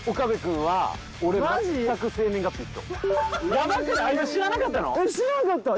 ヤバくない⁉知らなかったの？